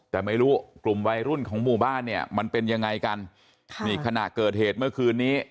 แต่ไม่รู้กลุ่มวัยรุ่นของหมู่บ้านเนี่ยมันเป็นยังไงกันค่ะนี่ขณะเกิดเหตุเมื่อคืนนี้